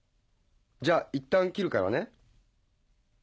じゃあいったん切るからね。